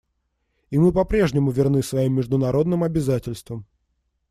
И мы по-прежнему верны своим международным обязательствам.